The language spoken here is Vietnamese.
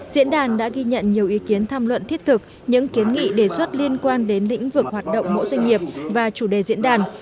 diễn đàn đã ghi nhận nhiều ý kiến tham luận thiết thực những kiến nghị đề xuất liên quan đến lĩnh vực hoạt động mỗi doanh nghiệp và chủ đề diễn đàn